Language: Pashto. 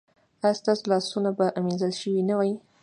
ایا ستاسو لاسونه به مینځل شوي نه وي؟